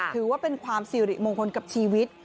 ถือว่าเป็นความสิริมงคลกับชีวิต